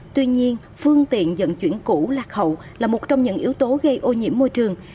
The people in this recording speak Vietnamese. tuy nhiên phương tiện dận chuyển cũ lạc hậu là một trong những yếu tố gây ô nhiễm môi trường